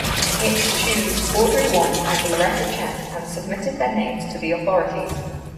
It choose Audrey Wong and Loretta Chen, and submitted their names to the authorities.